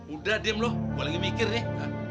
udah diem lu gua lagi mikir nih